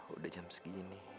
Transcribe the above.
udah jam segini